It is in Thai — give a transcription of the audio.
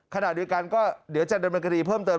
ขณะเดียวกันก็เดี๋ยวจะดำเนินคดีเพิ่มเติม